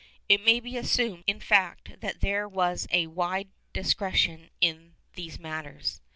^ It may be assumed, in fact, that there was a wide discretion in these matters.